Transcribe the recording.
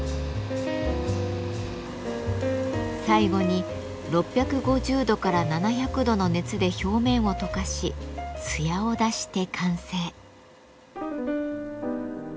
最後に６５０度から７００度の熱で表面を溶かし艶を出して完成。